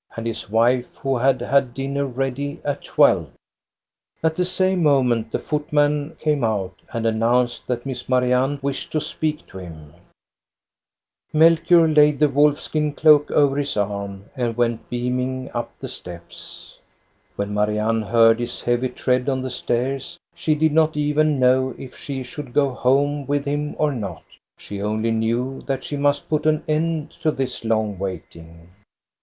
And his wife, who had had dinner ready at twelve ! At the same moment the footman came out and announced that Miss Marianne wished to speak to him. l6o THE STORY OF GOSTA BE RUNG Melchior laid the wolfskin cloak over his arm and went beaming up the steps. When Marianne heard his heavy tread on the stairs, she did not even then know if she should go home with him or not. She only knew that she must put an end to this long waiting.